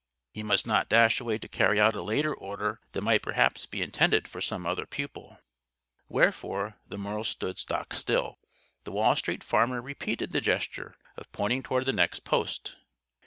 He must not dash away to carry out a later order that might perhaps be intended for some other pupil. Wherefore, the Merle stood stock still. The Wall Street Farmer repeated the gesture of pointing toward the next post.